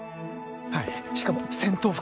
はいしかも戦闘服